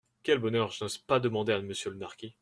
Quel bonheur ! je n'ose pas demander à monsieur le marquis …